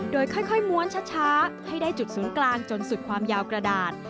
โดยค่อยม้วนช้าให้ได้จุดศูนย์กลางจนสุดความยาวกระดาษ